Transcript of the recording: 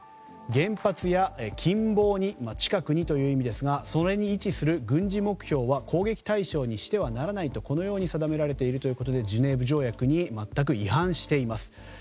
原発や近傍に近くに、という意味ですがそれに位置する軍事目標は攻撃対象にしてはならないと定められているということでジュネーブ条約に全く違反しています。